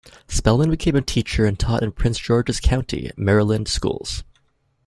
Spellman became a teacher, and taught in Prince George's County, Maryland, schools.